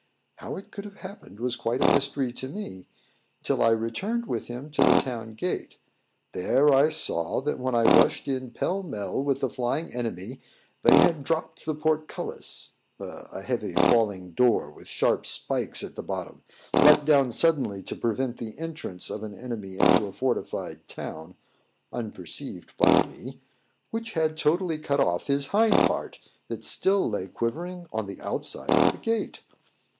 How it could have happened was quite a mystery to me, till I returned with him to the town gate. There I saw, that when I rushed in pell mell with the flying enemy, they had dropped the portcullis (a heavy falling door, with sharp spikes at the bottom, let down suddenly to prevent the entrance of an enemy into a fortified town) unperceived by me, which had totally cut off his hind part, that still lay quivering on the outside of the gate.